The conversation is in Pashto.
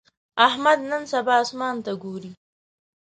احمد نن سبا اسمان ته ګوري.